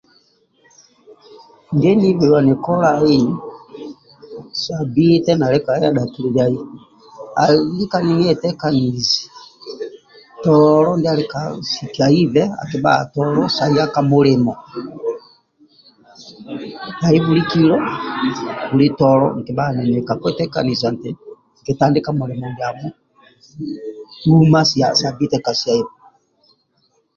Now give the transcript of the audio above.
Ndie nihibiluani kolai sabbite nali kaya dhakililiai ali lika ninietekanizi tolo ndiali kasikiaibe akibhaga tolo sa ya ka mulimo tai bulikilo bulitolo nkibhaga ninili kakwetekaniza nti nkatandika mulimo ndiamo huma sa sabbite kasiyaiku.